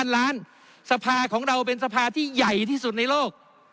ล้านสภาของเราเป็นสภาที่ใหญ่ที่สุดในโลก